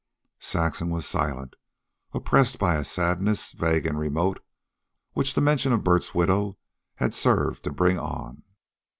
Saxon was silent, oppressed by a sadness, vague and remote, which the mention of Bert's widow had served to bring on.